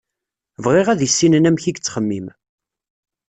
Bɣiɣ ad issinen amek i yettxemmim.